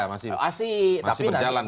masih berjalan kan